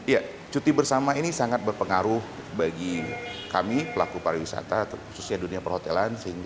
ya cuti bersama ini sangat berpengaruh bagi kami pelaku pariwisata khususnya dunia perhotelan